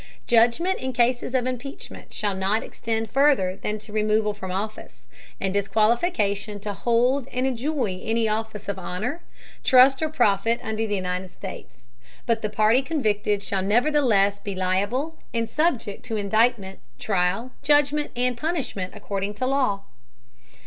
Judgment in Cases of Impeachment shall not extend further than to removal from Office, and disqualification to hold and enjoy any Office of honor, Trust or Profit under the United States: but the Party convicted shall nevertheless be liable and subject to Indictment, Trial, Judgment and Punishment, according to Law.